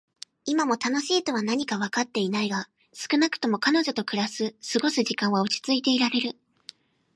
今も「楽しい」とは何かはわかってはいないが、少なくとも彼女と過ごす時間は落ち着いていられる。